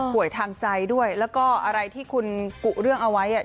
ทางใจด้วยแล้วก็อะไรที่คุณกุเรื่องเอาไว้